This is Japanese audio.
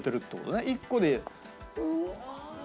１個で。